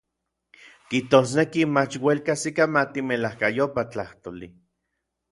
Kijtosneki mach uel kajsikamati n melajkayopaj tlajtoli.